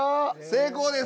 成功です。